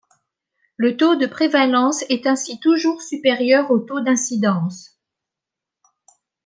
Le taux de prévalence est ainsi toujours supérieur au taux d'incidence.